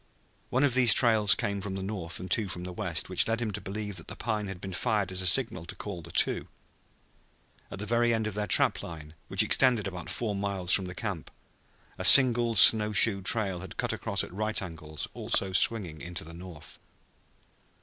One of these trails came from the north and two from the west, which led him to believe that the pine had been fired as a signal to call the two. At the very end of their trap line, which extended about four miles from camp, a single snow shoe trail had cut across at right angles, also swinging into the north.